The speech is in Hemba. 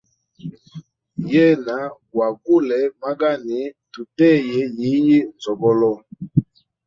Yena gwa gule magani tuteye yiyi nzogolo.